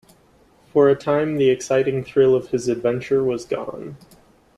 For a time the exciting thrill of his adventure was gone.